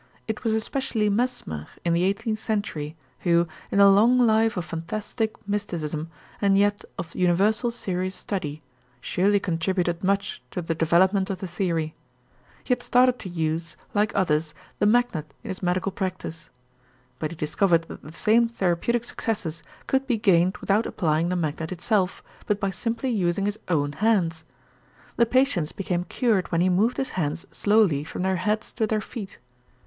It was especially Mesmer in the eighteenth century who, in a long life of fantastic mysticism and yet of universal serious study, surely contributed much to the development of the theory. He had started to use, like others, the magnet in his medical practice. But he discovered that the same therapeutic successes could be gained without applying the magnet itself, but by simply using his own hands. The patients became cured when he moved his hands slowly from their heads to their feet.